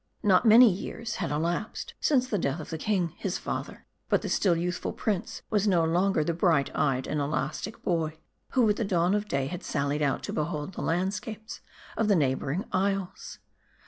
Not many years had elapsed since the death of the king, his father. But the still youthful prince was no longer the bright eyed and elastic boy who at the dawn of day had sallied out to behold the landscapes of the neighboring isles.